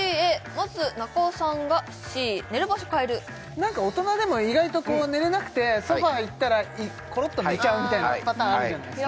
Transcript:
まず中尾さんがＣ寝る場所を変える何か大人でも意外とこう寝れなくてソファー行ったらコロっと寝ちゃうみたいなパターンあるじゃないですか